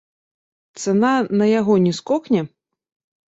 Цана на яго не скокне?